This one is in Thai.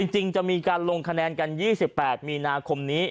จริงจะมีการลงคะแนนกัน๒๘มีนาคมนี้